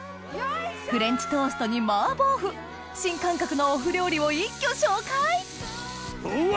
フレンチトーストにマーボー麩新感覚のお麩料理を一挙紹介うわ